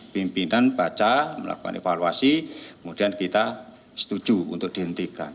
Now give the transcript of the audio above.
pimpinan baca melakukan evaluasi kemudian kita setuju untuk dihentikan